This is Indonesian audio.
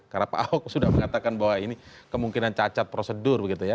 karena pak aok sudah mengatakan bahwa ini kemungkinan cacat prosedur begitu ya